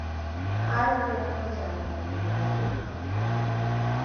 আর ফেরানো যায় না কুমুদকে।